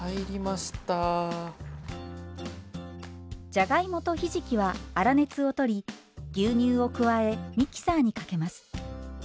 じゃがいもとひじきは粗熱をとり牛乳を加えミキサーにかけます。